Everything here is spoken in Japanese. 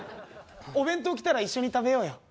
お弁当来たら一緒に食べようよ。